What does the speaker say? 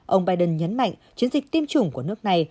ông biden nhấn mạnh chiến dịch tiêm chủng của nước này